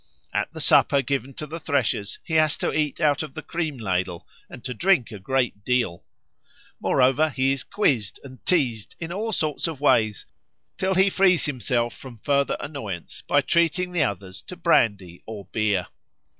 At the supper given to the threshers he has to eat out of the cream ladle and to drink a great deal. Moreover, he is quizzed and teased in all sorts of ways till he frees himself from further annoyance by treating the others to brandy or beer.